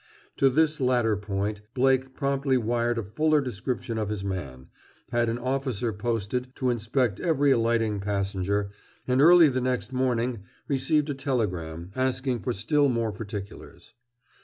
To this latter point Blake promptly wired a fuller description of his man, had an officer posted to inspect every alighting passenger, and early the next morning received a telegram, asking for still more particulars.